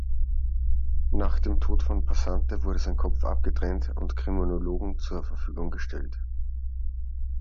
Nach dem Tod von Passante wurde sein Kopf abgetrennt und Kriminologen zur Verfügung gestellt.